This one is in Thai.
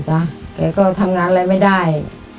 แกก็ทำงานอะไรไม่ได้